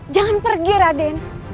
jangan pergi raden